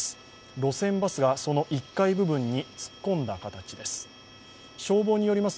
路線バスがその１階部分に突っ込んだ形です。